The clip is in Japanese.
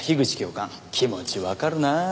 気持ちわかるなあ。